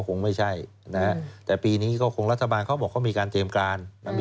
ฟักกันครู่หนึ่งคุณผู้ชมช่วงหน้ากลับมาติดตามสถานการณ์น้ำกันค่ะ